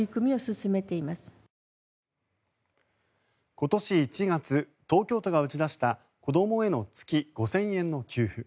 今年１月東京都が打ち出した子どもへの月５０００円の給付。